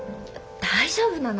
大丈夫なの？